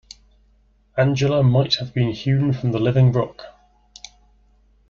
Angela might have been hewn from the living rock.